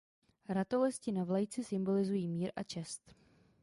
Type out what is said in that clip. Ratolesti na vlajce symbolizují mír a čest.